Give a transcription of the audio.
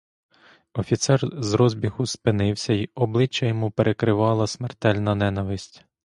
Офіцер з розбігу спинився й обличчя йому перекривила смертельна ненависть.